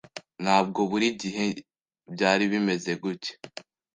Ntabwo buri gihe byari bimeze gutya.